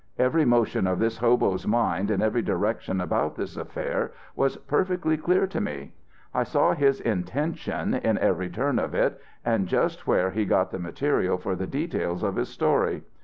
Every motion of this hobo's mind in every direction about this affair was perfectly clear to me. I saw his intention in every turn of it and just where he got the material for the details of his story.